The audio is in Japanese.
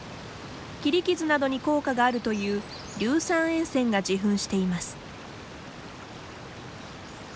切り傷などに効果があるという硫酸塩泉が自噴しています。